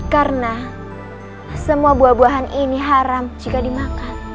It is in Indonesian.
karena semua buah buahan ini haram jika dimakan